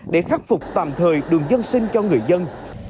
để khắc phục tạm thời đường dân sinh cho người dân